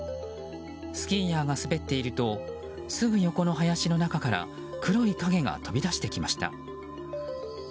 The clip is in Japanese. スキーヤーが滑っているとすぐ横の林の中から黒い影が飛び出してきました。